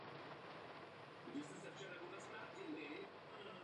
Doplňkové prostory knihovny se nacházejí v podzemí.